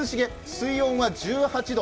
水温は１８度。